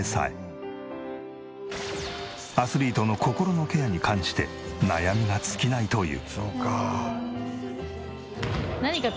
アスリートの心のケアに関して悩みが尽きないという。